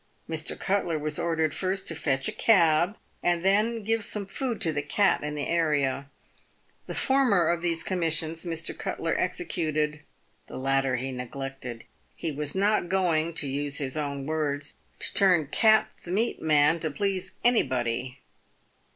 Mr. Cutler was ordered first to fetch a cab, and then give some food to the cat in the area. The former of these commissions Mr. Cutler executed, the latter he neglected. He was not going — to use his own words — to turn cat's meat man to please anybody.